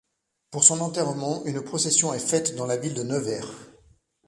Pour son enterrement, une procession est faite dans la ville de Nevers.